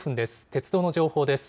鉄道の情報です。